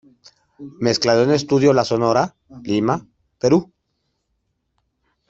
Mezclado en Estudio La Sonora, Lima, Perú.